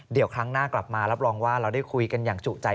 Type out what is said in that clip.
เดี๋ยวครั้งหน้ากลับมารับรองว่าเราได้คุยกันอย่างจุใจ